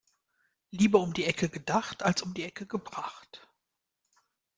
Lieber um die Ecke gedacht als um die Ecke gebracht.